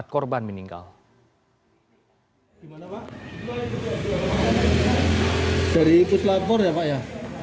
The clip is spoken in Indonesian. dari ikut lapor ya pak ya